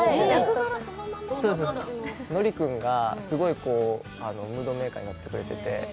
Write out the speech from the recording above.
ノリ君が、すごいムードメーカーやってくれてて。